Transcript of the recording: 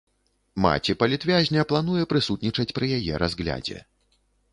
Маці палітвязня плануе прысутнічаць пры яе разглядзе.